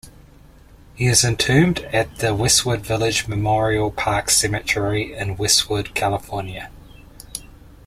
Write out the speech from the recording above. He is entombed at the Westwood Village Memorial Park Cemetery in Westwood, California.